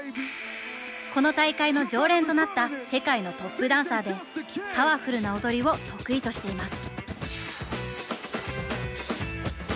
この大会の常連となった世界のトップダンサーでパワフルな踊りを得意としています。